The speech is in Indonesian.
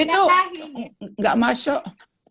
itu gak masuk